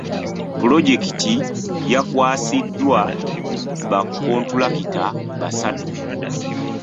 Pulojekiti yakwasiddwa ba kontulakita basatu.